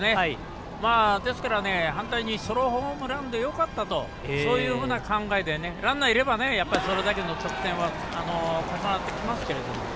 ですから、反対にソロホームランでよかったとそういうふうな考えでランナーいればやっぱり、それだけの得点は重なってきますけれども。